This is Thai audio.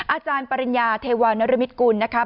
อาจารย์ปริญญาเทวานรมิตกุลนะครับ